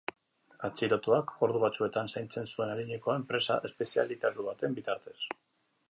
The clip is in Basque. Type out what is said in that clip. Atxilotuak ordu batzuetan zaintzen zuen adinekoa, enpresa espezializatu baten bitartez.